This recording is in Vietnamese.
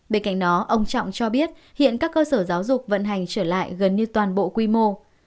bên cạnh đó ông trọng cho biết hiện các cơ sở giáo dục vận hành trở lại gần như toàn bộ quy mô